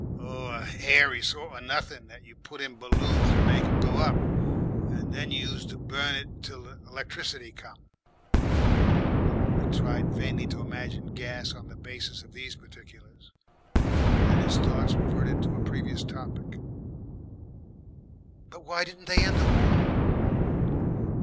"Oh, a hairy sort of nothin' what you put in balloons to make 'em go up. And you used to burn it till the 'lectricity come." The little boy tried vainly to imagine gas on the basis of these particulars. Then his thoughts reverted to a previous topic. "But why didn't they end the War?"